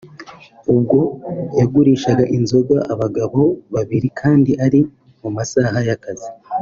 ubwo yagurishaga inzoga abagabo babiri kandi ari mu masaha y’akazi